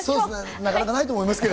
なかなかないと思いますけど。